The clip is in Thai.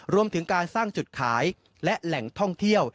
รวมถึงการสร้างจุดขายและแหล่งท่องเที่ยว